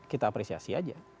kita apresiasi aja